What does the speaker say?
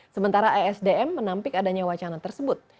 sementara esdm menampik adanya wacana tersebut